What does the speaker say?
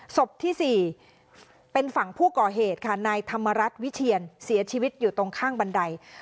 ศพที่๔เป็นฝั่งผู้ก่อเหตุค่ะนายธรรมรัฐวิเทียนเสียชีวิตอยู่ตรงข้างบันได